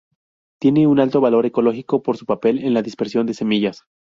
Tiene un alto valor ecológico por su papel en la dispersión de semillas.